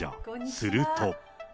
すると。